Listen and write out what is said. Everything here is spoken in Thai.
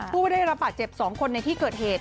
ผู้ไม่ได้รับบาดเจ็บ๒คนในที่เกิดเหตุ